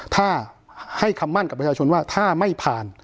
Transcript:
ถ้าให้คำมั่นกับประชาชนว่าถ้าไม่ผ่าน